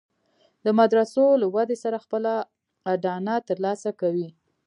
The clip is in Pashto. د مدرسو له ودې سره خپله اډانه تر لاسه کوي.